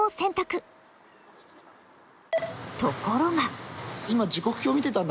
ところが。